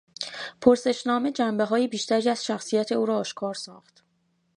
پرسشنامه جنبههای بیشتری از شخصیت او را آشکار ساخت.